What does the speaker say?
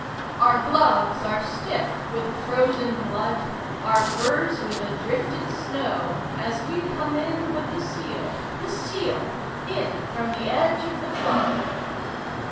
] Our gloves are stiff with the frozen blood, Our furs with the drifted snow, As we come in with the seal the seal! In from the edge of the floe.